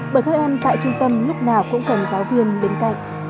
bởi các em tại trung tâm lúc nào cũng cần giáo viên bên cạnh